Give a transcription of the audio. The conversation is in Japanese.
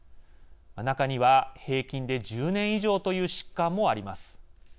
中には、平均で１０年以上という疾患もあります。